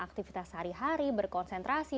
aktivitas sehari hari berkonsentrasi